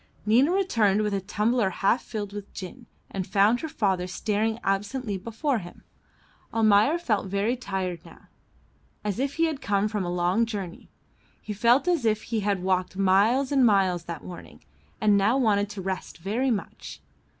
Nina returned with a tumbler half filled with gin, and found her father staring absently before him. Almayer felt very tired now, as if he had come from a long journey. He felt as if he had walked miles and miles that morning and now wanted to rest very much.